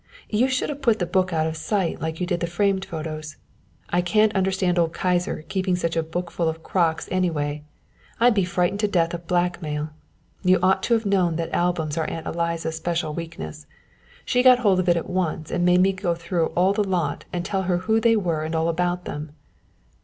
You should have put the book out of sight like you did the framed photos. I can't understand old Kyser keeping such a book full of crocks anyway, I'd be frightened to death of blackmail. You ought to have known that albums are Aunt Eliza's special weakness. She got hold of it at once and made me go through all the lot and tell her who they were and all about them."